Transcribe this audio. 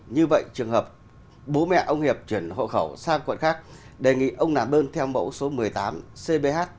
như vậy trường hợp bố mẹ ông hiệp chuyển hộ khẩu sang quận khác đề nghị ông làm đơn theo mẫu số một mươi tám cbh